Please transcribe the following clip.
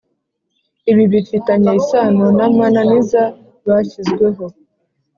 ibibifitanye isano n amananiza bashyizweho